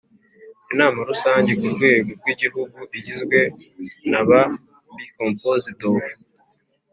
Inama Rusange ku rwego rw Igihugu igizwe n aba be composed of